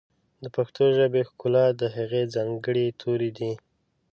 د پښتو ژبې ښکلا د هغې ځانګړي توري دي.